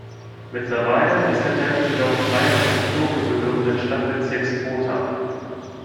Mittlerweile ist der Tempel jedoch Teil des zu Tokio gehörenden Stadtbezirks Ōta.